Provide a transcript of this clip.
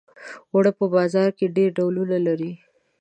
اوړه په بازار کې ډېر ډولونه لري